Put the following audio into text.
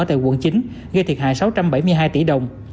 tại quận chín gây thiệt hại sáu trăm bảy mươi hai tỷ đồng